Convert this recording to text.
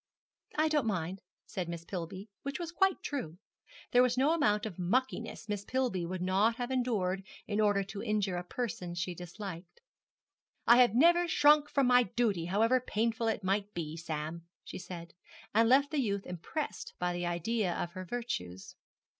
'I don't mind,' said Miss Pillby; which was quite true. There was no amount of muckiness Miss Pillby would not have endured in order to injure a person she disliked. 'I have never shrunk from my duty, however painful it might be, Sam!' she said, and left the youth impressed by the idea of her virtues.